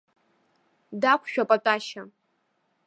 Дақәшәап атәашьа.